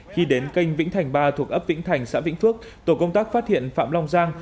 khi đến canh vĩnh thành ba thuộc ấp vĩnh thành xã vĩnh phước tổ công tác phát hiện phạm long giang